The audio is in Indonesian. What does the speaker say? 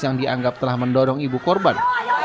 yang dianggap telah mendorong ibu korban